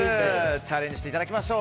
チャレンジしていただきましょう。